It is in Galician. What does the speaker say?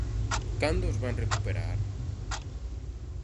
¿Cando os van recuperar?